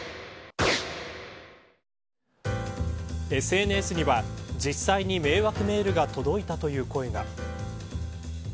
ＳＮＳには、実際に迷惑メールが届いたという声が。